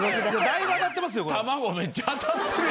だいぶ当たってますよこれ。